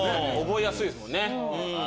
覚えやすいですね。